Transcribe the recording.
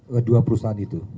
kedua perusahaan itu